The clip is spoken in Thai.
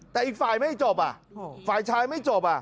แต่อีกฝ่ายไม่จบอ่ะฝ่ายชายไม่จบ